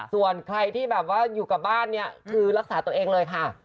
ส่วนใครที่แบบว่าอยู่กับบ้านเนี่ยคือรักษาตัวเองเลยค่ะ